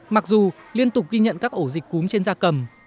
mặc dù liên tục ghi nhận các ổ dịch cúm trên da cầm